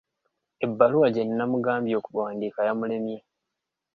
Ebbaluwa gye nnamugambye okuwandiika yamulemye.